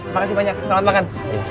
makasih banyak selamat makan